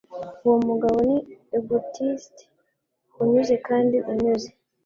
Uwo mugabo ni egotiste unyuze kandi unyuze.